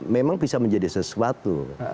memang bisa menjadi sesuatu